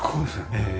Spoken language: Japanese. ええ。